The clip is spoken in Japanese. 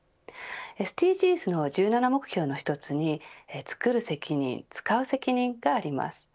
ＳＤＧｓの１７目標の１つにつくる責任、つかう責任があります。